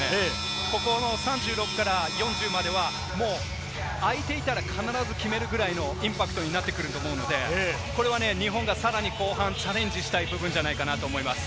ここの３６から４０まではあいていたら必ず決めるぐらいのインパクトになってくると思うので、日本がさらに後半チャレンジしたい部分だと思います。